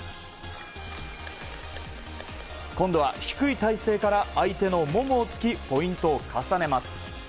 今度は低い体勢から相手のももを突きポイントを重ねます。